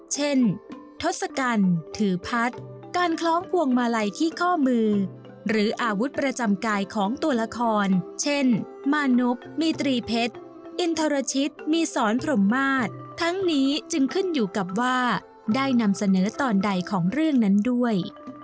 เช่นทศกัณฐ์ถือพัฒน์การคล้องพวงมาลัยที่ข้อมือหรืออาวุธประจำกายของตัวละครเช่นมานพมีตรีเพชรอินทรชิตมีสอนพรมมาตรทั้งนี้จึงขึ้นอยู่กับว่าได้นำเสนอตอนใดของเรื่องนั้นด้วย